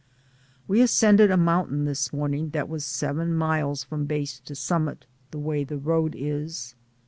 We ascended a mountain this morning that was seven miles from base to summit, the way the road is.